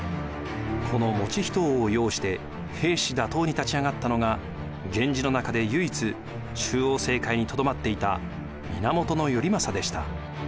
この以仁王を擁して平氏打倒に立ち上がったのが源氏の中で唯一中央政界に留まっていた源頼政でした。